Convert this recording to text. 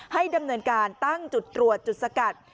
ให้ดำเนินการตั้งจุดตรวจจุดสกัด